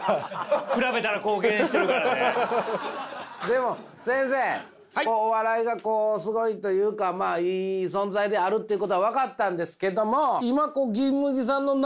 でも先生お笑いがこうすごいというかまあいい存在であるっていうことは分かったんですけども。